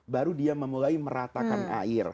baru dia memulai meratakan air